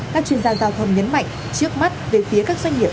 các chuyên gia giao thông nhấn mạnh trước mắt về phía các doanh nghiệp